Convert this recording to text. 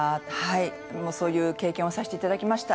そういう経験をさせていただきました。